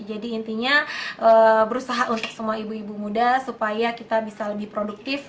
jadi intinya berusaha untuk semua ibu ibu muda supaya kita bisa lebih produktif